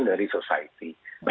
ada kebijakan dari masyarakat